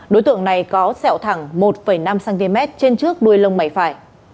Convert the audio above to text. đối tượng này có sẹo thẳng một năm cm trên trước đuôi lông mày phải